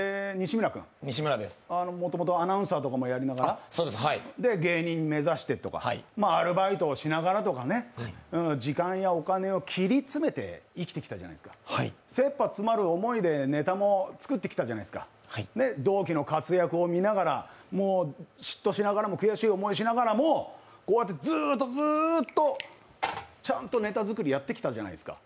もともとアナウンサーとかもやりながら芸人目指して、アルバイトをしながらとか時間やお金を切り詰めて生きてきたじゃないですか、切羽詰まる思いでネタも作ってきたじゃないですか、同期の活躍を見ながら、嫉妬しながらも、悔しい思いをしながらもこうやってずっとずーっとちゃんとネタ作りやってきたじゃないですか。